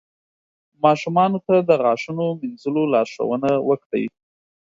ماشومانو ته د غاښونو مینځلو لارښوونه وکړئ.